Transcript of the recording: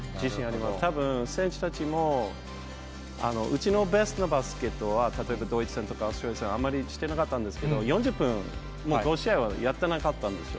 たぶん選手たちも、うちのベストのバスケットは、例えばドイツ戦とか、あんまりしてなかったんですけど、４０分、５試合はやってなかったんですよ。